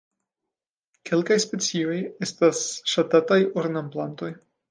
Kelkaj specioj estas ŝatataj ornamplantoj.